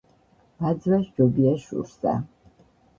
ბაძვა სჯობია შურსა